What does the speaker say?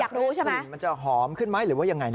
อยากรู้ใช่ไหมมันจะหอมขึ้นไหมหรือว่ายังไงนะ